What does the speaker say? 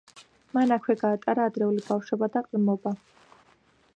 მან აქვე გაატარა ადრეული ბავშვობა და ყრმობა.